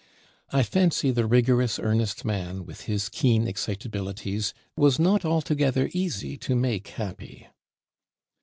I fancy the rigorous earnest man, with his keen excitabilities, was not altogether easy to make happy.